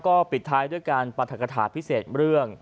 ก็ปิดท้ายด้วยการปรัฐกฐาพิเศษเรื่อง